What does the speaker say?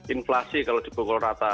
inflasi kalau dibukul rata